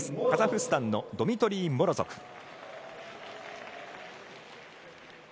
カザフスタンのドミトリー・モロゾフ。